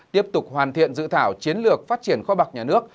tiếp tục hoàn thiện dự thảo chiến lược phát triển kho bạc nhà nước